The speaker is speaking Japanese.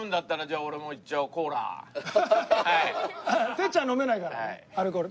てっちゃん飲めないからねアルコール。